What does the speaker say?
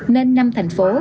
nên năm thành phố